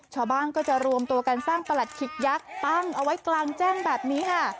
ชาวบ้านก็จะรวมตัวกันสร้างประหลัดขิกยักษ์ตั้งเอาไว้กลางแจ้งแบบนี้ค่ะ